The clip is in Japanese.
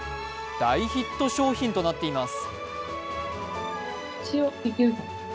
大ヒット商品となっています。